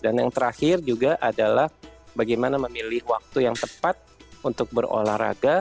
dan yang terakhir juga adalah bagaimana memilih waktu yang tepat untuk berolahraga